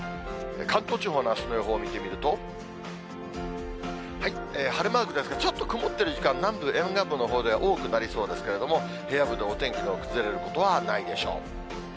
関東地方のあすの予報を見てみると、晴れマークですが、ちょっと曇ってる時間、南部沿岸部のほうでは多くなりそうですけれども、平野部でお天気の崩れることはないでしょう。